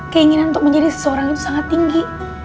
keinginan untuk menjadi seseorang itu sangat tinggi